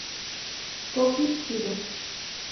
Koki Kido